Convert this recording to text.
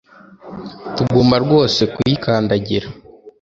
tugomba rwose kuyikandagira